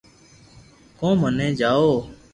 ڪو موني جاوُ